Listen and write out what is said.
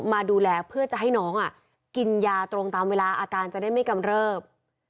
มาดูแลเพื่อจะให้น้องกินยาตรงตามเวลาอาการจะได้ไม่กำเริบ